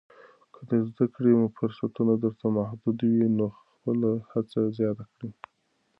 که د زده کړې فرصتونه درته محدود وي، نو خپله هڅه زیاته کړه.